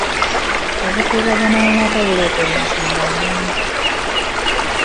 obukuubagano mu maka buleetebwa ensonga nnyingi.